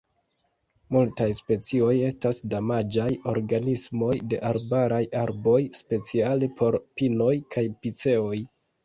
Multaj specioj estas damaĝaj organismoj de arbaraj arboj, speciale por pinoj kaj piceoj.